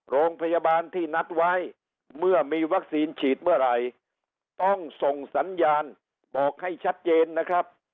โรงพยาบาลที่นัดไว้เมื่อมีวัคซีนฉีดเมื่อไหร่ต้องส่งสัญญาณบอกให้ชัดเจนนะครับ